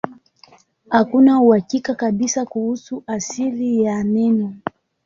Hakuna uhakika kabisa kuhusu asili ya neno.